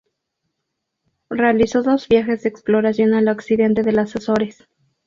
Realizó dos viajes de exploración al occidente de las Azores.